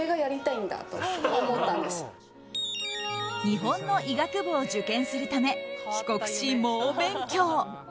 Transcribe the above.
日本の医学部を受験するため帰国し猛勉強。